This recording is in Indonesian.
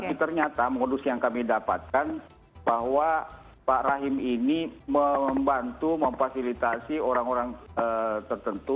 tapi ternyata modus yang kami dapatkan bahwa pak rahim ini membantu memfasilitasi orang orang tertentu